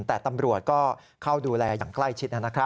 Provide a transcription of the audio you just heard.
แต่ตำรวจก็เข้าดูแลอย่างใกล้ชิดนะครับ